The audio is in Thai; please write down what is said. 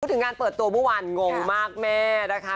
ถึงงานเปิดตัวเมื่อวานงงมากแม่นะคะ